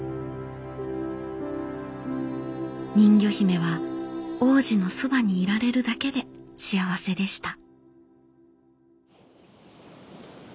人魚姫は王子のそばにいられるだけで幸せでした。